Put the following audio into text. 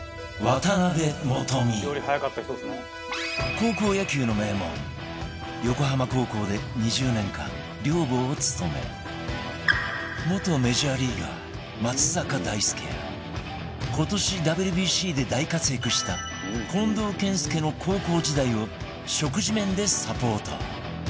高校野球の名門横浜高校で２０年間寮母を務め元メジャーリーガー松坂大輔や今年 ＷＢＣ で大活躍した近藤健介の高校時代を食事面でサポート